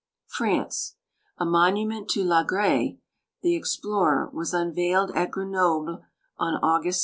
Franck. A monument to Lagree, the explorer, was unveiled at Grenoble on August 16.